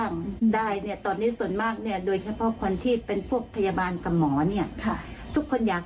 ในฐานะที่เป็นพยาบาลเราก็ดูว่าส่วนมาก